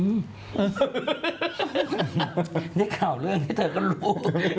ได้ข่าวเรื่องนี้เธอก็รู้